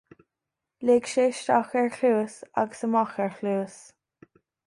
Lig sé isteach ar chluas agus amach ar chluas